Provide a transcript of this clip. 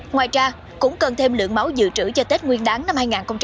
ngoài ra cũng cần thêm lượng máu dự trữ cho tết nguyên đáng năm hai nghìn hai mươi